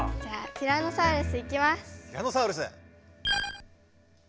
ティラノサウルス。